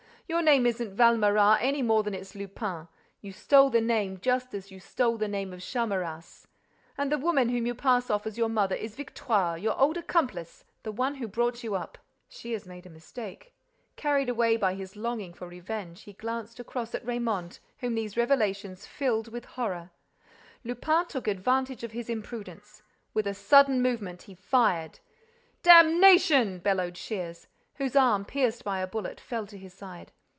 Your name isn't Valméras any more than it's Lupin: you stole the name just as you stole the name of Charmerace. And the woman whom you pass off as your mother is Victoire, your old accomplice, the one who brought you up—" Arsène Lupin, play in four acts, by Maurice Leblanc and Francis de Croisset. Shears made a mistake. Carried away by his longing for revenge, he glanced across at Raymonde, whom these revelations filled with horror. Lupin took advantage of his imprudence. With a sudden movement, he fired. "Damnation!" bellowed Shears, whose arm, pierced by a bullet, fell to his side.